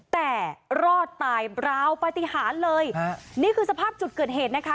แต่รอดตายราวปฏิหารเลยฮะนี่คือสภาพจุดเกิดเหตุนะคะ